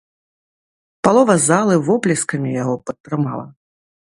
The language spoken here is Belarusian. Палова залы воплескамі яго падтрымала.